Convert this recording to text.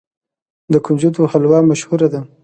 د کنجدو حلوه مشهوره ده.